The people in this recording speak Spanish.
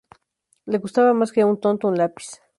Le gustaba más que a un tonto un lápiz